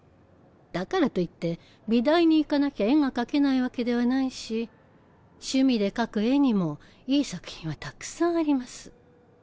だからといって美大に行かなきゃ絵が描けないわけではないし趣味で描く絵にもいい作品はたくさんあります。